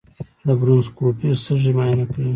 د برونکوسکوپي سږي معاینه کوي.